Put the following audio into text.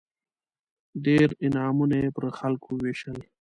ډېر انعامونه یې پر خلکو ووېشل.